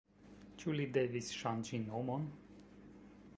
Ĉu li devis ŝanĝi nomon?